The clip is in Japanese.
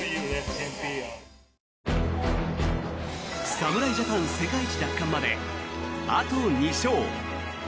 侍ジャパン世界一奪還まであと２勝。